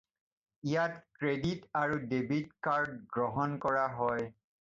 ইয়াত ক্ৰেডিট আৰু ডেভিট কাৰ্ড গ্ৰহণ কৰা হয়।